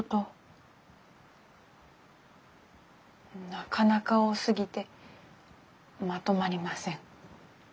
なかなか多すぎてまとまりません。